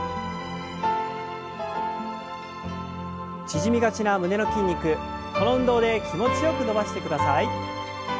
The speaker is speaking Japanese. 縮みがちな胸の筋肉この運動で気持ちよく伸ばしてください。